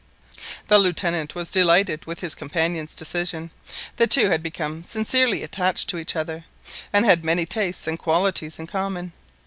The Lieutenant was delighted with his companion's decision. The two had become sincerely attached to each other, and had many tastes and qualities in common.